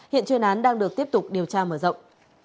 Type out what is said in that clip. hiện chuyên án đang được tiếp tục điều tra mở rộng